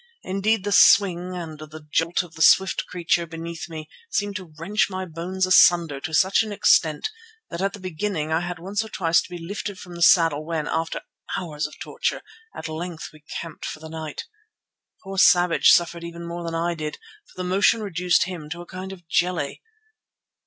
Indeed the swing and the jolt of the swift creature beneath me seemed to wrench my bones asunder to such an extent that at the beginning I had once or twice to be lifted from the saddle when, after hours of torture, at length we camped for the night. Poor Savage suffered even more than I did, for the motion reduced him to a kind of jelly.